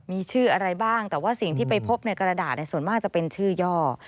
มีชื่ออะไรบ้างแต่ว่าสิ่งที่ไปพบในกระดาษส่วนมากจะเป็นชื่อย่อ